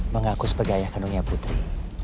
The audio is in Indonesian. mengaku sebagai ayah kandungnya putri